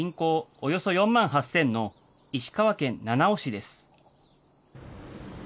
およそ４万８０００の石川県七尾市です。